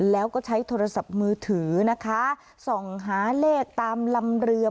แล้วก็ใช้โทรศัพท์มือถือนะคะส่องหาเลขตามลำเรือ